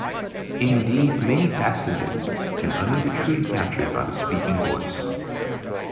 Indeed, many passages can only be truly captured by the speaking voice.